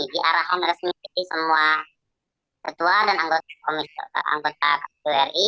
di arahan resmi semua ketua dan anggota kpu ri